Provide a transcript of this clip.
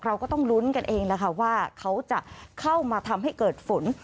เราก็ต้องลุ้นกันเองแหละค่ะว่าเขาจะเข้ามาทำให้เกิดฝน